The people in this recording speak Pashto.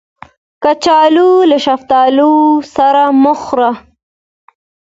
کچالو له شفتالو سره مه خوړه